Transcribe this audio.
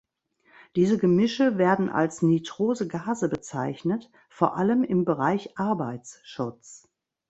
Diese Gemische werden als nitrose Gase bezeichnet, vor allem im Bereich Arbeitsschutz.